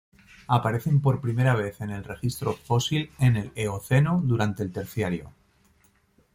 Aparecen por primera vez en el registro fósil en el Eoceno, durante el Terciario.